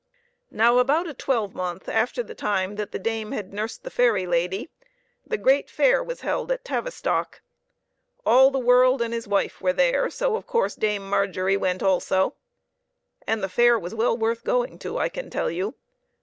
Now, about a twelvemonth after the time that the dame had nursed the fairy lady, the HOW DAME TWIST SAW MORE THAN WAS GOOD FOR HER. 37 great fair was held at Tavistock. All the world and his wife were there, so, of course, Dame Margery went also. And the fair was well worth going to, I can tell you